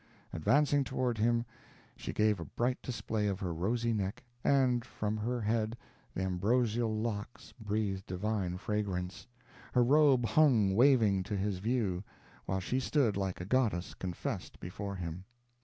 Advancing toward him, she gave a bright display of her rosy neck, and from her head the ambrosial locks breathed divine fragrance; her robe hung waving to his view, while she stood like a goddess confessed before him.